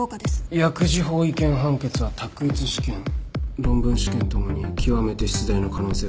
薬事法違憲判決は択一試験論文試験共に極めて出題の可能性が高い。